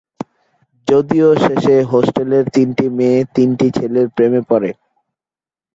যদিও শেষে হোস্টেলের তিনটি মেয়ে, তিনটি ছেলের প্রেমে পড়ে।